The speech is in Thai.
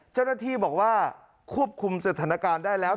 เจ้าหน้าที่บอกว่าควบคุมสถานการณ์ได้แล้ว